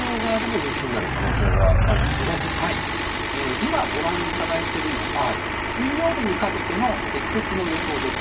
今ご覧いただいているのが水曜日にかけての積雪の予想です。